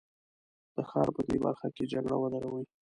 د ښار په دې برخه کې جګړه ودروي.